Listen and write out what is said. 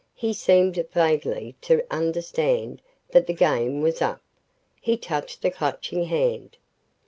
He seemed vaguely to understand that the game was up. He touched the Clutching Hand.